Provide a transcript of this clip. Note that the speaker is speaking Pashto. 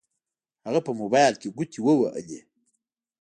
هغه په موبايل کې ګوتې ووهلې.